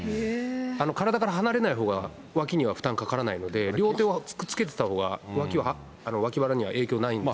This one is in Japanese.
体から離れないほうが脇には負担かからないので、両手をくっつけてたほうが脇腹には影響ないんです。